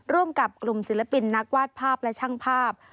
ร่วมกับกลุ่มศิลปินนักวาดภาพและช่างภาพ